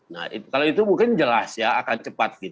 nah kalau itu mungkin jelas ya akan cepat